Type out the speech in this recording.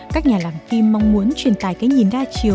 các nhà làm phim mong muốn truyền tài cái nhìn đa chiều